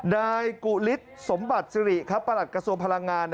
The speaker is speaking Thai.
นายกุฤษสมบัติสิริครับประหลัดกระทรวงพลังงาน